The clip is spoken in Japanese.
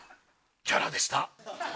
キャラでした。